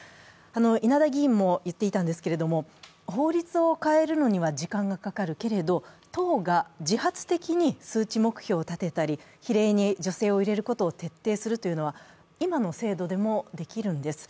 稲田議員も言っていたんですけれども、法律を変えるのには時間がかかるけれど、党が自発的に数値目標を立てたり比例に女性を入れることを徹底するというのは今の制度でもできるんです。